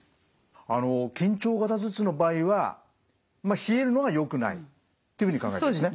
あの緊張型頭痛の場合は冷えるのがよくないっていうふうに考えるんですね。